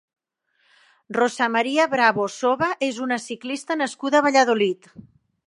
Rosa María Bravo Soba és una ciclista nascuda a Valladolid.